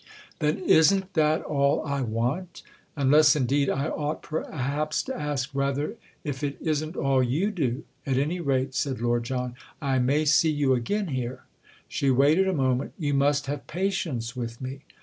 "Then isn't that all I want?—unless indeed I ought perhaps to ask rather if it isn't all you do! At any rate," said Lord John, "I may see you again here?" She waited a moment. "You must have patience with me."